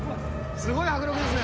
すごい迫力ですね。